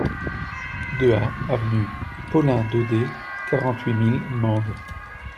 deux A avenue Paulin Daudé, quarante-huit mille Mende